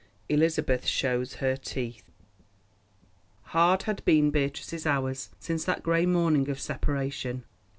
ELIZABETH SHOWS HER TEETH Hard had been Beatrice's hours since that grey morning of separation.